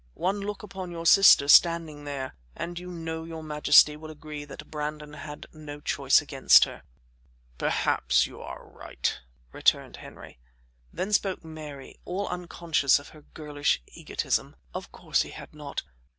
One look upon your sister standing there, and I know your majesty will agree that Brandon had no choice against her." "Perhaps you are right," returned Henry. Then spoke Mary, all unconscious of her girlish egotism: "Of course he had not.